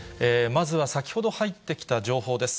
まずは先ほど入ってきた情報です。